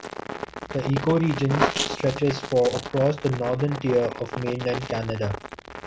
The ecoregions stretches for across the northern tier of mainland Canada.